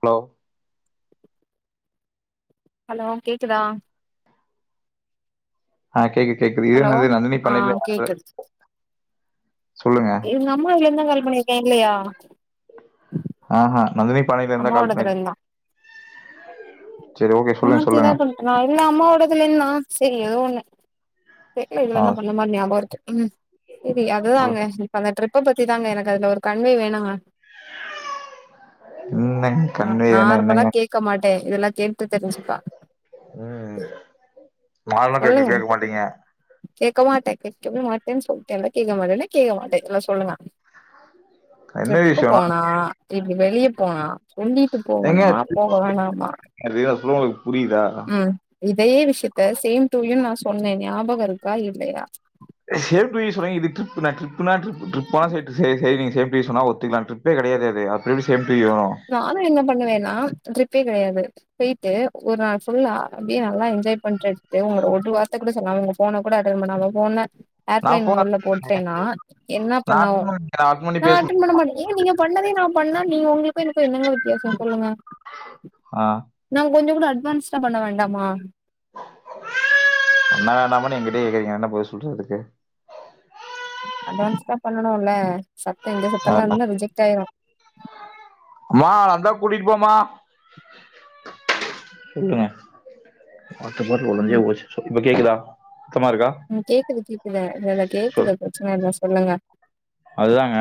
Hello hello கேக்குதா ஆ கேக்குது கேக்குது இரு ஹலோ நந்தினி நந்தினி ஆ பண்ணி [unintelligible] எங்க அம்மா இங்க இருந்தா காலி பண்ணிருக்கேங்க கேக்கலையா ஆ ஹ நந்தினி பாழைல இருந்தா கால் அம்மாவோடதுல பண்ணிருக்கீங் இருந்தா சேரி ஓகே சொல்லுங்க சொல்லுங்க நா இல்ல அம்மாவோடத்துலேனா சேரி ஏதோ ஒண்ணு தெர்ல இதுல ஆ என்ன பண்ண மாரி ஞாபவோ இருக்கு ம் சரி அதுதாங்க சொல்லுங்க இப்ப அந்த ட்ரிப்ப பத்தி தாங்க எனக்கு அதுல ஒரு கன்வே வேணுங்க [unintelligible] ந நார்மலா என்னங்க கேக்க மாட்டே இதெல்லா கேட்டுட் தெரிஞ்சிப்பா ம் நார்மலா சொல்லுங்க கேட்டுட்டே இருக்க மாட்டீங்க கேக்க மாட்டே கேக்கவே மாட்டேன்னு செல்லிட்டேன்ல்ல கேக்க மாட்டேன்னா கேகக மாட்டேன் இதுல சொல்லுங்க என்ன டரிப்பு விஷயம்னா போனா இல்ல வெளிய போனா சொல்லிட்டு ஏங்க போகணுமா ட்ரிப் போக வேணாமா அது நா சொல்ல உங்களுக்கு புரியுதா ம் இதே விஷயத்த சேம் டூ யூ நா சொன்னே ஞாபகம் இருக்கா இல்லையா சேம் டு யு சொல்லுவீங்க இது ட்ரிப்னா ட்ரிப்னா ட்ரிப் ட்ரிப்ப சரி செய்றீங்க சேம் டு யு சொன்னா ஒத்துக்கலாம் ட்ரிப் ட்ரிப்பே கெடையாதே அது அப்படி எப்டி சேம் டு யூ நானு என்ன பண்ணுவே நா ட்ரிபே கெடையாது போயிட்டு ஒரு நாள் ஃபுல்லா அப்பிடியே நல்லா என்ஜாய் பண்ணிட்டு உங்கள ஒரு வார்த்த கூட சொல்லாமங் ஃபோனக் கூட அட்டன்ட் பண்ணாம ஃபோன நா ஏர்ப்ளேன் போன் மோட்ல போட்டேன் நான் என்ன நா பண்ணா ஒ அட்டன் பண்ணி நா அட்டன் பண்ணி நான் பேசுன அட்டென்ட் பண்ண மாட்டே ஏ நீங்க பண்ணதே நான் பண்ணா நீங்க உங்களுக்கு அப்றோ என்னங்க வித்தியாசோ சொல்லுங்க ஆ நா கொஞ்சோ கூட அட்வான்ஸ்டா பண்ண வேண்டாமா என்னா [unintelligible] பண்ணலான்னு எங்கிட்டயே கேக்குறீங்க என்ன போய் சொல்றதுக்கு அட்வான்ஸ்டா பண்ணனுல்ல சத்தோ இந்த ஆ சத்தோனா எல்லா இன்னு ரிஜெக்ட் ஆயிரு அம்மா அந்தா கூட்டிட்டு போம்மா சொல்லுங்க வாட்டர் பாட்டில் ஒடஞ்சே ம். போச்சு இப்ப கேக்குதா சத்தமா இருக்கா ம் கேக்குது கேக்குது இல்லேல்ல சொல் கேக்குது பிரெச்சன இல்ல சொல்லுங்க அதுதாங்க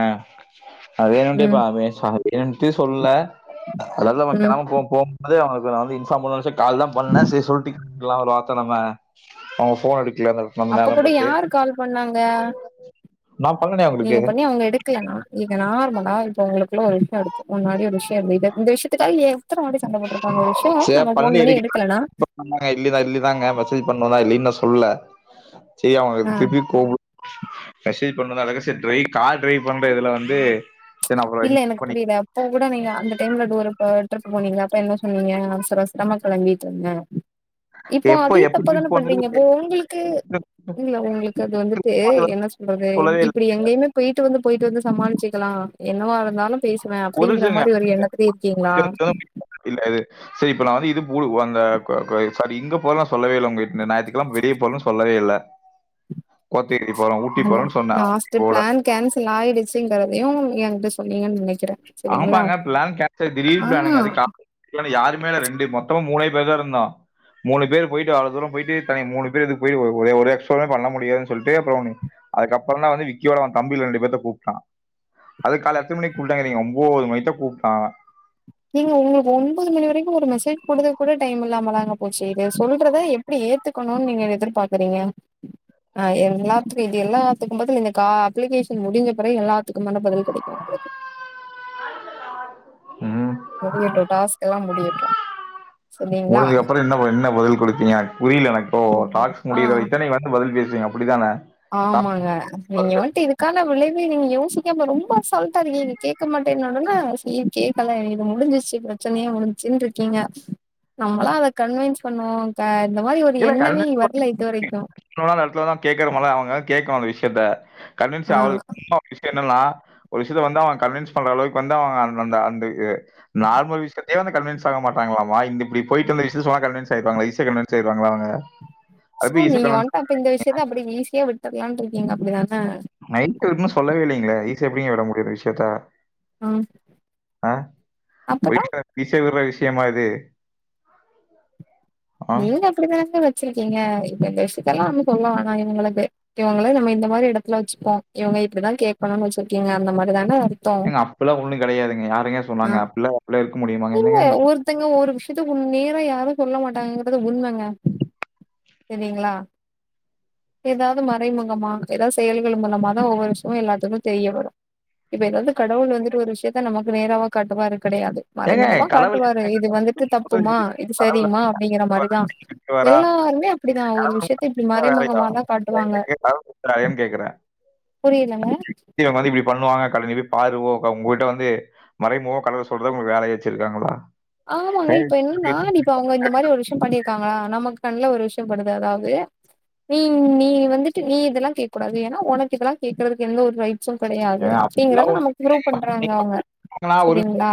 அது வேணும்ன்ட்டே பா ம், ஹமேஷா வேணுன்ட்டே சொல்லல அது இல்லாம ம். தெனமு போம் போம் அதே அவுங்களுக்கு நா வந்து இன்ஃபார்ம் பண்ணணு நெனச்சே கால் தா பண்ணே செரி சொல்ட்டு நிக்கலா ஒரு வார்த்த நம்ம அவுங்க ஃபோன் எடுக்கல ல நம்ம அப்ப நேரோ கூட பாத்து யாரு கால் பண்ணாங்க நா பண்ணனே அவுங்களுக்கு அவுங்க எடுக்கலன்னா இங்க நார்மலா இப்ப உங்களுக்குள்ள ஒரு விஷயோ இருக்கு முன்னாடி ஒரு விஷயோ இருந்து இந்த விஷயத்துக்காக ஏ எத்தன வாட்டி சண்டப் போட்ருப்பாங்க ஒரு விஷயோ நம்ம ஃபோன் பண்ணி எடுக்கலன்னா ஆமாங்க நா இட்லிதா இட்லிதாங்க மெசேஜ் பண்ணோ தா இல்லேன்னு நா சொல்லல செரி அவுங்க ஆ திருப்பியு கூப்டு மெசேஜ் பண்ணணுந்தா அது கடசியா ட்ரை கார் ட்ரைவ் பண்ற இதுல வந்து சரி நான் அப்புறம் இல்ல எனக்கு பண்ணி புரியல போ கூட நீங்க அந்த டைம்ல டூருப் அ ட்ரிப் போனீங்கல்ல அப்ப என்ன சொன்னீங்க அவசர அவசரமா கெளம்பிட்டு இருந்தே இப்போ எப்போ அதே எப்போ தப்ப தான ட்ரிப் போனது பண்றீங்க அப்போ உங்களுக்கு இல்ல உங்களுக்கு அது வந்துட்டு அது வந்து என்ன சொல்றது சொல்லவே இல்ல இப்டி எங்கேயுமே போயிட்டு வந்து போயிட்டு வந்து சமாளிச்சிக்கலா என்னவா இருந்தாலு பேசுவே ஒரு அப்பிடிங்கிற நிமிஷங்க. மாரி ஒரு எண்ணத்துலயே இருக்கீங்களா இல்ல அது செரி இப்ப நா வந்து இதுக்கு ஊருக்கு அந்த க கு சாரி இங்க போறே நா சொல்லவே இல்ல உங்களுக்கு இந்த ஞாயித்துக்கெழம வெளிய போறேன்னு சொல்லவே இல்ல கோத்தகிரிக் போறோ ஊட்டி ஹலோ போறோன்னு சொன்னே ஆனா லாஸ்ட் போல பிளான் கேன்சல் ஆயிடுச்சுங்குறதையு எங்கிட்ட சொன்னீங்கன்னு நெனைக்கே ஆமாங்க ப்ளான் கேன்சல் திடீர் ஆ பிளானுங்க அது கா லேல யாருமே இல்ல ரெண்டு மொத்தமே மூணே பேர் தா இருந்தோ மூணு பேரு போயிட்டு அவ்ளோ தூரோ போயிட்டு தனி மூணு பேருக்கு போயி ஒரு எக்ஸ்ட்ராவுமே பண்ண முடியாதுன்னு சொல்லிட்டு அப்றோ னே அதுக்கப்பறந் தா வந்து விக்கியோட அவ தம்பிக ளோட ரெண்டு பேத்த கூப்புட்டா அது காலேல எத்தன மணிக் கூப்பிட்டாங்கிறீங்க ஒம்போது மணிக்குதா கூப்பிட்டா அவே நீங்க உங்களுக்கு ஒம்போது மணி வரைக்கு ஒரு மெசேஜ் போட்றதுக் கூட டைம் இல்லாமலாங்க போச்சு இத சொல்றத எப்டி ஏத்துக்கணுனு இத நீங்க எதிர்பாக்குறீங்க ஆ எல்லாத்துக்கு இது எல்லாத்துக்கு பதில் இந்த கா அப்ளிகேஷன் முடிஞ்ச பெறகு எல்லாத்துக்குமான பதில் கெடைக்கு உங்களுக்கு ம் முடியட்டு டாஸ்கெல்லா முடியட்டு சரிங்களா முடிஞ்சதுக்கப்பறோ என்ன ப என்ன பதில் குடுப்பீங்க எனக்கு புரில எனக்கோ இப்போ ம் டாஸ்க் ஆ முடியிற வரக்குத்தான நீ பதில் பேசுவீங்க அப்டித்தான ஆமாங்க நீங்க வந்துட்டு இதுக்கான விளைவு நீங்க யோசிக்காம ரொம்ப அசால்ட்டா இருக்கீங்க கேக்க மாட்டேன்ன ஒடனே செரி கேப் கலே இது முடிஞ்சிச்சு பிரெச்சனையே முடிஞ்சுச்சுன்னு ருக்கீங்க நம்மளா அதக் கன்வின்ஸ் பண்ணுவோ அ இந்த மாரி ஒரு எண்ணமே வரல இது வரைக்கு தவறான எடத்துலதா கேக்கணுமல்ல அவுங்க கேக்கணு அந்த விஷயத்த கன்வின்சே ஆ அவளுக் சும்மா விஷய என்னன்னா ஒரு விஷயத்த வந்து அவுங்க கன்வின்ஸ் பண்ற அளவுக்கு வந்து அவுங்க அந்த அந்த அந்த ஏ நார்மல் விஷயத்துக்கே வந்து கன்வின்ஸ் ஆக மாட்றாங்களாமா இந்த இப்டி போயிட்டு வந்த விஷயத்த சொன்னா கன்வின்ஸ் ஆயிடுவாங்களா ஈசியா கன்வின் ஸா ஆயிருவாங்களா அவுங்க சோ நீங்க வந்ட்டு அப்ப இந்த விஷயத்த அப்டி ஈஸியா விட்ரலானு இருக்கீங்க அப்டிதானா நைட்டுன்னு சொல்லவே இல்லைங்களே ஈசிய எப்புடிங்க விட முடியு இந்த விஷயத்தா ம் ஆ ஒரு அப்புறம் எக்ஸ்ட்ரா ஈஸியா விட்ற விஷயமா இது ஆ? நீங்க அப்டிதாங்க வச்சிருக்கீங்க இந்த இந்த விஷயத்தெல்லாம் வந்து சொல்ல வேனா இவங்களுக்கு இவுங்கள நம்ம இந்த மாறி இடத்துல வச்சுப்போம் இவுங்க இப்புடிதா கேக்கனும் வச்சிருக்கிங்க அந்த மாறி தானா அது எங்க அப்படில்லாம் ஒன்னும் கிடையாதுங்க யாருங்க சொன்னாங்க அப்டில்லாம் அப்படில்லா இருக்க முடியுமாங்க என்னங்க நீங் மத்தவுங்க ஒரு விஷயத்த ஓ நேரா யாரும் சொல்ல மாட் டாங்க இருக்குறது உண்மைங்க செரிங்ளா ஏதாவது மறைமுகமா ஏதாவது செயல்கள் மூலமா தா ஒவ்வொரு விஷயமும் எல்லாத்துக்கும் தெரிய வரும் இப்ப ஏதாவது கடவுள் வந்துட்டு ஒரு விஷயத்தா நமக்கு நேராவா காட்டு வாரு கிடையாது ஏங்க மறைமுகமா கடவுள் காட்டுவாரு என்னங்க இது வந்துட்டு தப்புமா சொல்றதுக்கு இது கடவுள் சரிமா அப்டிங்கிற மாறிதான் கட்டுவாரா கட்டுவாரா? எல்லாருமே அப்டிதா ஒரு கடவுள் விஷயத்த இப்டி மறைமுகமா தா காட்டுவாங்க கிரைம் கேக்குறேன் புரிலங்க இவுங்க வந்து இப்டி பண்ணுவாங்க கடவுளு நீ போய் பாரு போ உ உங்ககிட்ட வந்து மறைமுக கலர சொல்ற உங்களுக்கு வேலைய வச்சிருக்காங்களா ஆமாங்க ஏய், இப்ப என்னன்னா நீ இப்ப இவுங்க இந்த மாறி ஒரு விஷயம் பண்ணியிருக்காங்களா நமக்கு கண்ணுல ஒரு விஷயம் படுது எதாவ்து நீ நீ வந்துட்டு நீ இதெல்லாம் கேக் கூடாது ஏன்னா உனக்கு இதெல்லாம் கேக்குறதுக்கு எந்த ஒரு ரைட் சும் கிடையாது ஏங்க அப்பல்லாம் அப்டிங்கறத ஒண்ணும் நமக்கு புரூவ் பண்றாங்க அவுங்க சரிங்ளா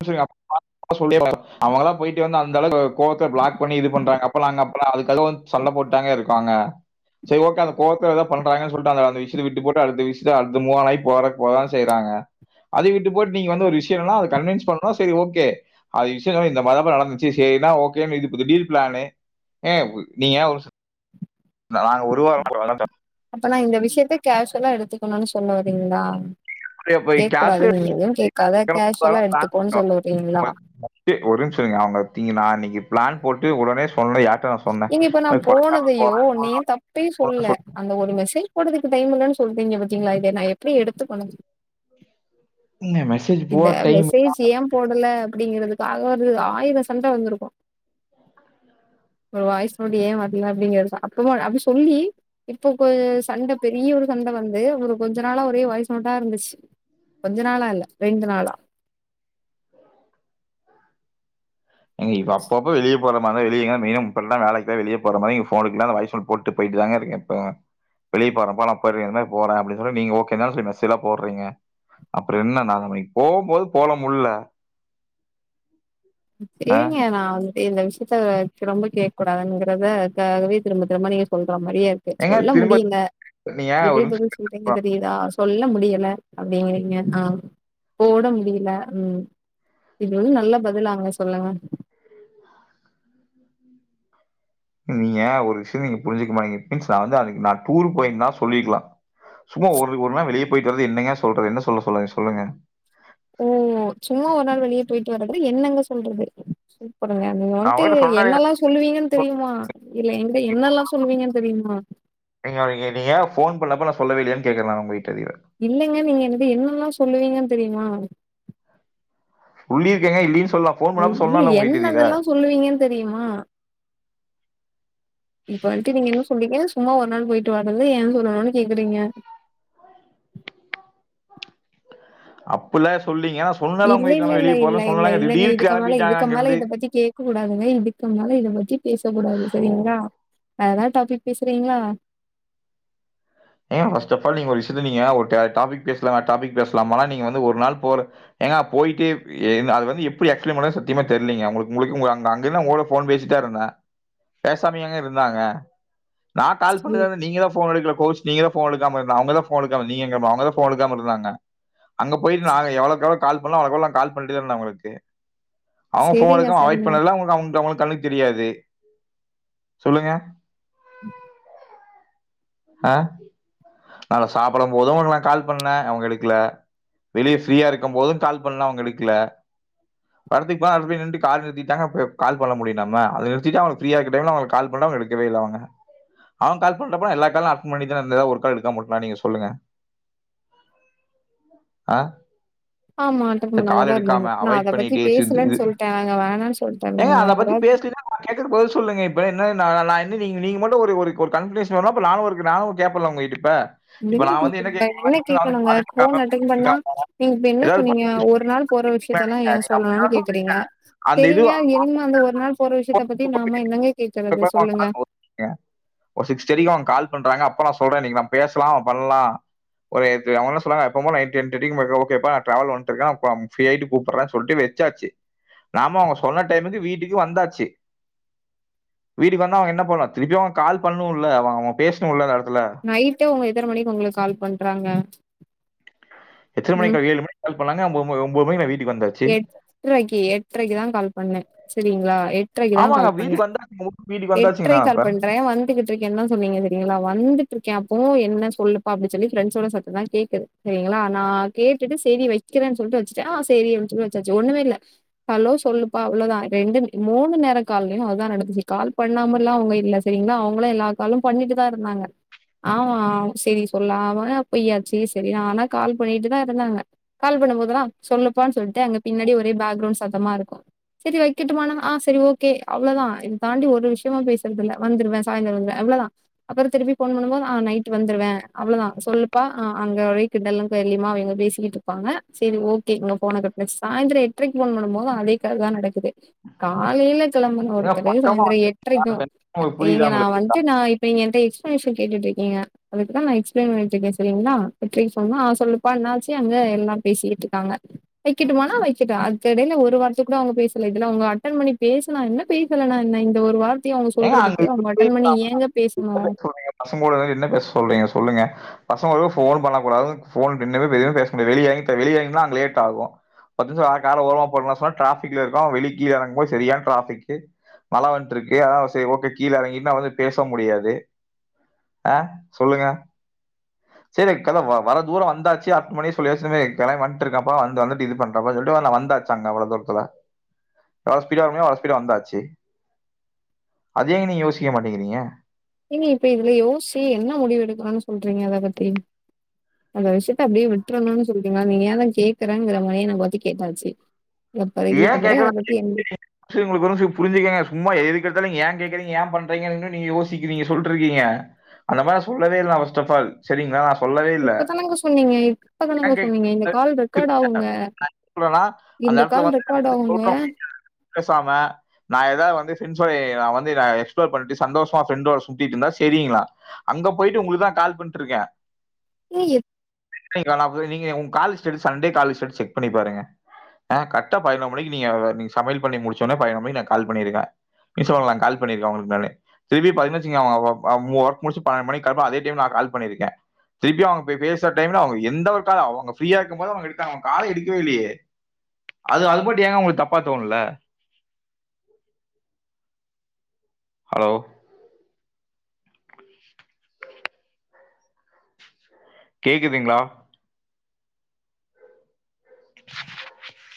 மன்னிச்சிடுங்கப்பா சொல்லிலனு அவுங்கல்லாம் போயிட்டு வந்து அந்த அளவு கோவத்தை பிளாக் பண்ணி இது பண்றாங்க அப்பல்லாம் நாங்க அப்பல்லாம் அதுக்காக வந்து சண்ட போட்டாங்க இருக்காங்க சர் ஓகே அந்த கோவத்துல ஏதாவது பண்றாங்கன்னு சொல்லிட்டு அந்த அந்த விஷயத்த விட்டு போட்டு அடுத்த விஷயத்த அடுத்த மூ வானய் போறக் போகதா செய்றாங்க அதை விட்டு போட் நீங்க வந்து ஒரு விஷயம்னா அது கன்வேன்ஸ் சொன்ன சேரி ஓகே அது விஷயம் என்ன்னா இந்த மாறிதாப்பா நடந்துச்சு சேரினா ஓகே இது இது திடீர் பிளானு ஏங் நீங்க ஒரு நாங்க ஒரு வாரம் போனதுலா தப் அப்ப நா இந்த விஷயத்தா கேஷுவுலா எடுத்துக்கணும்னு சொல்ல வரீங்களா இப்போ கேட்க கூடாது கேஷ்ல நீங்க எதுவும் கேட்காத கேஷுவுலா எடுத்துக்கோன்னு சொல்ல வரீங்களா ஒரே நிமிஷம் இருங்க அவுங்க இங்க நா நீங்க பிளான் போட்டு உடனே சொன்னேயா ஏங்க இப்ப நான் போனதையோ நீங்க தப்பே சொல்லல அந்த ஒரு மெசேஜ் போடுறதுக்கு டைம் இல்லன்னு சொல்டீங்க பத்தீங்களா இத நா எப்டி எடுத்துக்கனும் உண்மையா என்னாச் இந்த மெசேஜ் ஏன் போடல அப்படிங்கிறதுக்காக ஒரு ஆயிரம் சண்ட வந்திருக்கும் ஒரு வாய்ஸ் நோட்ஸ் ஏன் வரல அப்டிங்கிற அப்பவுமே அப்டி சொல்லி இப்போ ஒரு சண்ட பெரிய ஒரு சண்ட வந்து ஒரு கொஞ்ச நாளா ஒரே வாய்ஸ்நோட்டா இருந்துச்சு கொஞ்ச நாளா இல்ல ரெண்டு நாளா ஏங்க இப்ப அப்பப்ப வெளிய போற மார்தான் வெளிய மெயினா இப்பல்லா வேலைக்தான் வெளிய போற மாரி‌ போனுக்குலா வாய்ஸ் நோட்ஸ் போட்டு போய்ட்டு தாங்க இருக்க இப்ப வெளிய போறப்பா நா அப்ற என்ன போறேன் அப்டினு சேரி நீங்க ஓகேனா சொல்லி கட்சீல போடுறீங்க அப்பறம் என்ன நான் நாளனைக்கு போம்போது போலமுல்ல ஆ. ஏங்கனாது இந்த விஷயத்த திரும்ப கேக் கூடாதுங்கறத தாகவே திரும்ப திரும்ப நீங்க சொல்ற மாறியே செர் ஏங்க சொல்ல திரும்ப முடியல நீங்க ஒரு இப்டின்னு நிமிஷம் தோனுச்சி இப்ப எங்க கேட்டுக்கலாம். தெரியுதா சொல்ல முடியல அப்டிங்கிறீங்க ஆ போட முடியல ம் இது வந்து நல்ல பதிலாங்க சொல்லுங்க நீங்க ஒரு விஷ்யோ நீங்க புரிஞ்சுக்க மாட்டங்கிறிங்க [unintelligible] நா டூருக்கு பொயிருந்தா சொல்லிக்கலா சும்மா ஒரு ஒரு நாள் வெளியே பொயிட்டு வந்து என்னங்க சொல்றது என்ன சொல்ல சொல்லுங்க சொல்லுங்க ஓ சும்மா ஒரு நாள் வெளியே பொய்ட்டு வர்து என்னங்க சொல்றது குடுங்க நீங்க நான் வன்ட்டு உங்ககிட்ட சொன்னேனே என்னெல்லா சொல்லுவீங்கன் தெரியுமா இல்ல எங்க என்னெல்லா சொல்லுவீங்கனு தெரியுமா எங்க எதயா ஃபோன் பண்ணப்ப நா சொல்லவே இல்யானுக்கேக்குறே நா உங்க கிட்ட அதீர இல்லங்க நீங்க என்னது என்னெல்லா சொல்லுவீங்கன் தெரியுமா சொல்லீருக்கேங்க இல்லின் சொல்லா இ என்னதெல்லா சொல்லுவீங்கன்னு தெரியுமா இப்ப வன்ட்டு நீ என்ன சொன்னீங்க சும்மா ஒரு நாள் பொயிட்டு வரது ஏ சொல்லணுனு கேக்குறீங்க அப்பிட்ல்ல சொல்லீங்கா சொ இல்ல இல்ல இல்ல இல்ல இல்ல இல்லலங்க இதுக்கு மேல கிளம்பிட்டாங்க இதுக்கு மேல அங்கருந்து. இத பத்தி கே க்க கூடாதுங்க இதுக்குமேல இத பத்தி பேசக்கூடாது ஸோ சரிங்ளா ஆ வேற ஏதாது டாபிக் பேசுறீங்ளா ஏ ஃப்ஸ்ட் ஆஃப் ஆல் நீங்க ஒரு விஷயத்த நீங்க ஒரு டாபிக் பேச்லா டாபிக் பேசலாமானா நீங்க வந்து ஒரு நாள் போற ஏங்க பொய்ட்டு அது வந்து எப்டி எக்ஸ்பிலைன் பன்றதுன்னு சத்தியமா தெரிலிங்க உங்ளுக்கு முளிக்க உங்க அங்க எல்லா ஃபோன் பேசிட்டா இருந்தே பேசாமியாங்க இருந்தாங்க நா கால் பண்ணத நீங்கதா ஃபோன் எடுக்கல கோச் நீங்கத ஃபோன் எடுக்காம இருந்தா அவங்கதா ஃபோன் எடுகாம நீங்க அவங்கதா ஃபோன் எடுக்காம இருந்தாங்க அங்க போயிட்டு நா எவளக்கு எவ்ளோ கால் பண்ணோ அவ்வளோக்கு நா கால் பண்ணிட்டேதா இருந்தே நா உங்ளுக்கு அவங்க போன் சரிங்க, எடுக்காம அவாய்டு சரிங்க. பண்ணறது எல்லா அவ அவங்களுக்கு கண்ணுக்கு தெரிய இது சொல்லுங்க ம் அ நா சாப்டு போது உனக்கு நா கால் பண்ணே அவுங்க எடுக்ல வெளியே ஃப்ரீயா இருக்கு போது கால் பண்ண அவுங்க எடுக்ல வரத்துக் அங்க போய் நின்ட்டு கால் நிறத்திட்டங்கா கால் பண்ண முடியு நாம அத நிருத்திட்டு அவுங்க ஃப்ரீயாக்க டைம்ல அவங்களுக்கு கால் பண்ண அவங்ளுக்கு எடுக்க வெயில அவங்க அவுங்க கால் பண்றப்பட எல்லா காலு அட்டன் முன்னாடி தான இருந்தே ஒரு கால் எடுக்காம விட்டனா நீங்க சொல்லுங்க அ ஆமா அட்டன் பண்ணாமதா இருந்தீங்க நா அத பத்தி பண்ணிட்டே இது- இது பேசலன்னு சொல்ட்டே நாங்க வேணானு சொல்லட்டே நாங்க வேறதாவது கேக்குறக்கு பதில் சொல்லுங்க இப்ப என்ன நான் நீங்க மட்டு ஒரு கன்க்குளுஷன் வரனு நானு ஒரு நானுகேபெல்ல உங்கட்ட இப் என்ன கேக்கணுங்க என்ன கேக்கணுங்க கோன் அட்டன் பண்ணா எடுக்காம நீங்க இப்ப என்ன ஏதாவது சொன்னீங்க பண்ணி ஒரு நாள் போற விஷயத்த எல்லா ஏ நீங்க அப்ப சொல்லணுனு ஏதாவது சொல்லுங்க. கேக்குறீங்க அந்த சரிங்க இது எனிம அந்த ஒரு நாள் போற விஷயத்த பத்தி நாம என்னங்க கேக்குறது சொல்லுங்க ஒரு சிக்ஸ் தேட்டிக்கு அவுங்க கால் பண்றாங்க அப்ப நா சொல்றே இன்னைக்கு நம்ம பேச்லா பண்லா ஒரு நேத்து அவுங்க என்ன சொன்னாங்க எப்பவு போல னைட் டென் தேர்டிக்கு அப்றோ ஓகேபா நா ட்ராவல்ல வன்ட்றுக்கே அப்றோ ப்ரீயா ஆய்டு கூப்புட்றே சொல்ட்டு வெ ச்சாச்சு நாம அவுங்க சொன்ன டைமுக்கு வீட்டுக்கு வந்தாச்சு வீட்டுக்கு வந்து அவுங்க என்ன பண்ணணு திருப்பியு அவங்க கால் பண்ணுல்ல அவுங்க பேசணு இல்ல அந்த எடத்துல நைட் உங்க எத்தன மணிக்கு உங்ளுக்கு கால் பண்றாங்க எத்தன ம் மணிக்கா ஏழு மணி கால் பண்ணாங்க ஒன்பது மணிக்கு வீட்டுக்கு வந்த எட்டரைக்கு எட்டரைக்குதா கால் பண்ணே சரிங்களா எ ட்ரைக்குதா ஆமாங்க. கால் பண்ணே வீட்டுக்கு வந்தாச்சுங்க. வீட்டுக்கு வந்தாச்சுங்க எட்ரைக்கு நான் அப்ப. கால் பண்றே வந்துகிட் ருக்கேதா சொன்னீங்க தெரியுங்ளா வந்துட்டு இருக்கேப்போ என்ன சொல்லுப்பா அப்படின்னு சொல்லி ஃப்ரெண்ட்ஸோட சத்தோதா கேக்குது சரிங்ளா நா கேட்டுட்டு சேரி வைக்கிறேன்னு சொல்லிட்டு வச்சுட்ட சேரின்னு சொல்லி வச்சாச்சு ஒண்ணுமே இல்ல ஹலோ சொல்லுப்பா அவ்வளோதா ரெண்டு மூணு நேர கால்லையு அதா நடந்துச்சு கால் பண்ணாமல்லா அவங்க இல்ல சரிங்களா அவங்களு எல்லா காலு பண்ணிட்டுதா இருந்தாங்க ஆமா செரி சொல்லாம பொய்யாச்சு சரி ஆனா கால் பண்ணிட்டுதா இருந்தாங்க கால் பண்ணும் போதெல்லா சொல்லப்பான்னு சொல்லிட்டு அங்க பின்னாடி ஒரே பேக்ரவுண்ட் சத்தமா இருக்கு சரி வைக்கட்டுமான ஆ சரி ஓகே அவ்ளோதா இத தாண்டி ஒரு விஷயமு பேசுறதுதில்ல வந்துருவே சாய்தர வந்துருவே அவ்ளோதா அப்புற திருப்பி போன் பண்ணும்போது ஆ நைட்டு வந்துருவே அவ்ளோதா சொல்லுப்பா ஆ அங்க வரைக் கிண்டலு கேலியுமா அவிங்க பேசிக்கிட்டு இருப்பாங்க சரி ஓகேங்க போன கட் நேத் சாய்ந்த்ர எட்ரைக் போன் பண்ணும்போது அதேக் கத தா நடக்குது காலைல கிளம்பனு ஏங்க ஒருத்தரு பக்கமா சாயந்திரோ எட்ரைக்கு உங்களுக்கு இங்க புரியுதா நா உங்களுக்கு? வந்ட்டு நா இப்ப எங்கிட்ட எக்ஸ்ப்ளனேசன் கேட்டுட்டு இருக்கீங்க அதுக்கு தா நா எக்ஸ்பிளைன் பண்ணிட்டு இருக்கே சரிங்களா வெற்றி சொன்னா ஆ சொல்லுப்பா என்னாச்சு அங்க எல்லா பேசிகிட்டு இருக்காங்க வைக்கட்டுமானா வைக்கட்டு அதுக் எடைல ஒரு வாரத்த கூட அவங்க பேசல இதுல அவங்க அட்டன் பண்ணி பேசினா என்ன பேசலனா என்ன இந்த ஒரு வார்த்தைய அவுங்க ஏங்க சொல்றதுக்கு அவுங்க அட்டன் பண்ணி அங்க ஏங்க பேசணு என்ன பேச சொல்றீங்க? பசங்களோட என்ன பேச சொல்றீங்க சொல்லுங்க பசங்களு போன் பண்ண கூடாது [unintelligible] வெளிய வெளிய எங்கயுனா அங்க லேட் ஆகு பத்து நிமிஷோ வேற கார ஓரோ போட்லா சொன்னா டிராஃபி்க்ல இருக்கோ வெளி கீழ இறங்கும் போது சரியான டிராபிக்கு மழ வன்ட்ருக்கு அதா செரி ஓக கீழ இறங்கிட்னா வந்து பேச முடியாது அ சொல்லுங்க [inaudible] சரி கத வ வர தூரோ வந்தாச்சு அர் பணி சொல்லி பேசின மேரி கெளம்ப் வந்துட்டு இருக்கே அப்போ வந்தோனே இது பண்றப்பா சொல்ட்டுலா நா வந்தாச்சு தங்க இவ்ளோ தூரத்துல [inaudible] எவ்ளோ ஸ்பீடா வர முடியுமோ அவ்ளோ ஸ்பீடா வந்தாச்சு அத ஏங் நீங்க யோசிக்க மாட்டிகிறீங்க நீங்க இப்ப இதுல யோசி என்ன முடிவு எடுக்கணுன் சொல்றீங்க அத பத்தி அந்த விஷயத்த அப்டியே விட்டர்ணுன் சொல்றீங்ளா நீ ஏ தா கேக்குறங்கற மாரியே என பத்தி கேட்டாச்சு ஏன் இதுக்கப்புறம் அத கேக்கனா [inaudible] பத்தி என்ன சிஸ்டர் உங்களுக் ஒரு நிமிஷோ புரிஞ்சுக்கங்க சும்மா எது கேட்டாலு ஏ கேக்குறீங்க ஏ பண்றீங்கன்னு நீங்க யோசிக்கிறீங்க சொல்ட்டு இருக்கீங்க அந்த மாரி நா சொல்லவே இல்ல ஃபர்ஸ்ட் ஆஃப் ஆல் சரிங்களா நா சொல்லவே இல்ல இப்ப [inaudible] தானங்க சொன்னீங்க இப்ப தானங்க சொன்னீங்க. இந்த கால் ரெக்கார்ட் ஆகுங்க. சொல்றேனா அந்த இடத்துல வந்து நான் பட் வந்து அவுங்க சொல்றவங்க பேசாம நா ஏதாவது வந்து ஃப்ரெண்ட்ஸ்சோடே நா வந்து நா எக்ஸ்ப்ளோர் பண்ட்டு சந்தோஷமா ஃப்ரெண்டோட சுத்திட் இருந்தா செரிங்ளா அங்க போய்ட்டு உங்களுக்குதா கால் பண்ட்டு இருக்கே ஏய் [unintelligible] நீங்க உங் call status Sunday call status check பண்ணி பாருங்க அ கட் கரக்ட்டா பதினோ மணிக் நீங்க நீங்க சமையல் பண்ணி முடிச்சோனே பதிணோ மணி நா கால் பண்ணிருக்க கிஷோ நா கால் பண்ணிருக்க உங்களுக் முன்னாலே திருப்பி பதினஞ்சுங்க அவ அ அவன் ஒர்க் முடிச்சு பன்னண்டு மணிக் கால் பண்ணுவா அதே டைம் நா கால் பண்ணிருக்கே திருப்பி அவுங்க பே பேசுற டைம்ல அவுங்க எந்த ஒரு கால் அவுங்க ஃப்ரியா இருக்கும் போது அவங்க எடுத்தாங்க அவங்க கால எடுக்கவே இல்லயே அது அது மட்டு ஏங்க உங்களுக் தப்பா தோண்ல ஹலோ கேக்குதுங்ளா [inaudible]